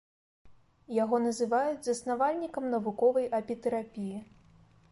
Яго называюць заснавальнікам навуковай апітэрапіі.